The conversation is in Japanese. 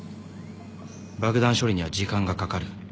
爆弾処理には時間がかかる。